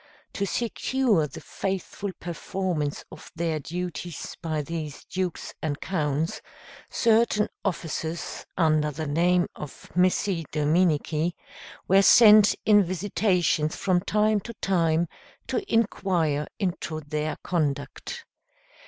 To secure the faithful performance of their duties by these Dukes and Counts, certain officers, under the name of Missi Dominici, were sent in visitations from time to time to inquire into their conduct.